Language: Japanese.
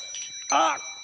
あっ！